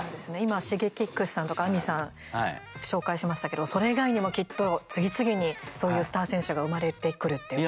ＳｈｉｇｅｋｉｘさんとかＡＭＩさん紹介しましたけどそれ以外にも、きっと次々にそういうスター選手が生まれてくるっていうのは。